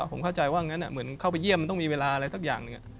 ผมเข้าใจว่างั้นเหมือนเข้าไปเยี่ยมมันต้องมีเวลาอะไรสักอย่างหนึ่ง